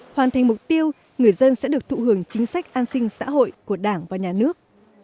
hoàn thành mục tiêu người dân sẽ được thụ hưởng chính sách an sinh xã hội của đảng và nhà nước